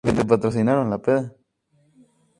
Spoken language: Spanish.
Vendió un millón de copias y ganó un disco de oro.